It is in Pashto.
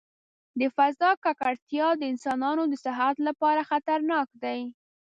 د فضا ککړتیا د انسانانو د صحت لپاره خطرناک دی.